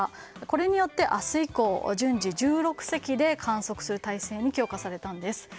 これによって明日以降順次１６隻で観測する体制に強化されたんです。